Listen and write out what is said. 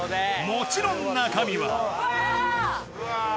もちろん中身はわーっ！